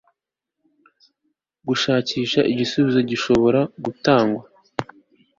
gushakisha igisubizo gishobora gutangwa